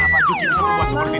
apa yuki bisa buat seperti ini